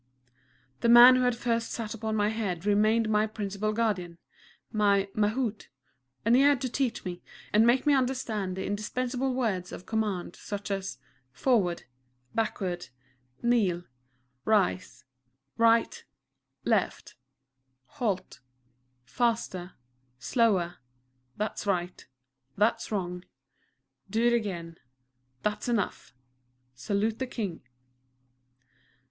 The man who had first sat upon my head remained my principal guardian my "Mahout," and he had to teach me, and make me understand the indispensible words of command, such as "Forward," "Backward," "Kneel," "Rise," "Right," "Left," "Halt," "Faster," "Slower," "That's Right," "That's Wrong," "Do It Again," "That's Enough," "_Salute the King.